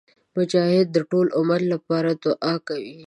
مجاهد د ټول امت لپاره دعا کوي.